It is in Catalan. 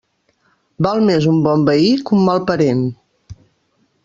Val més un bon veí que un mal parent.